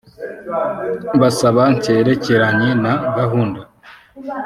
basaba cyerekeranye na gahunda